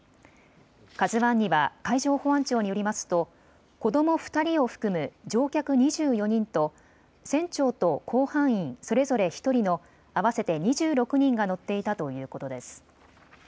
ＫＡＺＵわんには海上保安庁によりますと子ども２人を含む乗客２４人と船長と甲板員それぞれ１人の合わせて２６人が乗っていたということです。